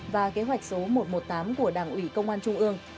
và kế hoạch số một trăm một mươi tám của đảng ủy công an trung ương